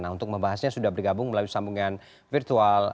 nah untuk membahasnya sudah bergabung melalui sambungan virtual